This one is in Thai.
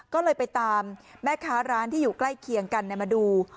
ก็เลยไปตามแม่ค้าร้านที่อยู่ใกล้เคียงกันมาดู